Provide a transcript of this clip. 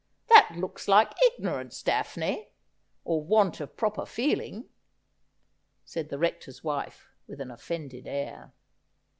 That looks like ignorance. Daphne, or want of proper feeling,' said the Rector's wife with an offended air.